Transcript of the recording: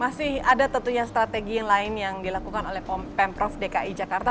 masih ada tentunya strategi yang lain yang dilakukan oleh pemprov dki jakarta